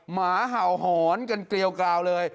หมาเห่าหอนกันเกลียวกราวเลย